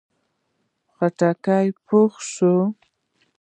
خټکی پوخ شو.